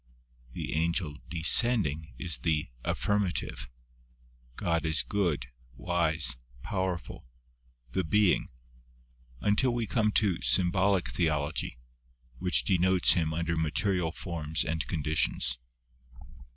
The Angel descending is the ll Affirmative." God is good, wise, powerful, the Being, until we come to Symbolic Theology, which denotes Him under material forms and conditions.